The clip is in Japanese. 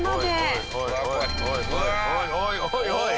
おいおいおいおい！